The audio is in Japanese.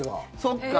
そっか、